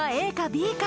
Ｂか？